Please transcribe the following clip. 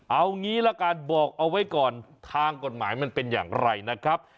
เอางี้ละกันบอกเอาไว้ก่อนทางกฎหมายมันเป็นอย่างไรนะครับ